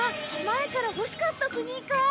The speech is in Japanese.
前から欲しかったスニーカー！